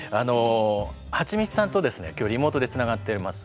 はちみつさんとですね今日リモートでつながっています。